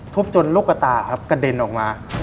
ทุบจนลูกตากระเด็นออกมา